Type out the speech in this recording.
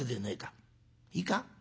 いいか？